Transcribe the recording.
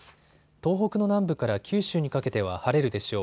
東北の南部から九州にかけては晴れるでしょう。